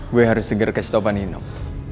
gue harus segera ke setopan hidup